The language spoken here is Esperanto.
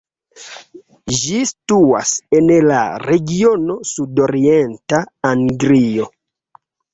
Ĝi situas en la regiono sudorienta Anglio.